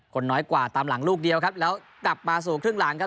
คนน้อยกว่าตามหลังลูกเดียวครับแล้วกลับมาสู่ครึ่งหลังครับ